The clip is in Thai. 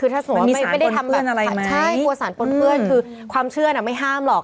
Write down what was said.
มันมีสารปนเปื้อนอะไรไหมใช่กลัวสารปนเปื้อนคือความเชื่อนไม่ห้ามหรอก